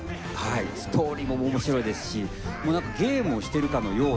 ストーリーも面白いですしゲームをしてるかのような映画の展開で。